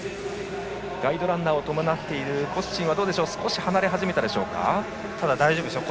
ガイドランナーを伴っているコスチンは少し離れ始めたでしょうか。